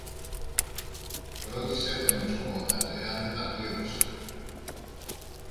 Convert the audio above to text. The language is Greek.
Ρώτησε τον, Εξοχότατε, αν δεν τα πλήρωσα!